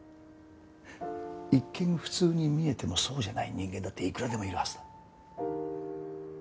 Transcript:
一見普通に見えてもそうじゃない人間だっていくらでもいるはずだ。